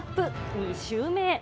２周目へ。